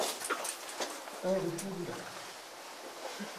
un rue Tour du Lac